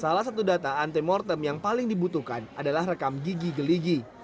salah satu data antemortem yang paling dibutuhkan adalah rekam gigi geligi